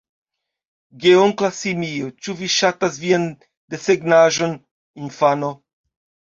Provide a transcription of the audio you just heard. Geonkla simio: "Ĉu vi ŝatas vian desegnaĵon, infano?"